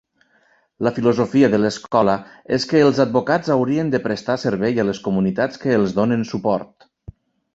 La filosofia de l'escola és que els advocats haurien de prestar servei a les comunitats que els donen suport.